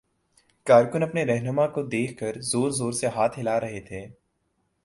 کارکن اپنے راہنما کو دیکھ کر زور زور سے ہاتھ ہلا رہے تھے۔